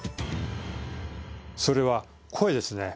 それは声ですね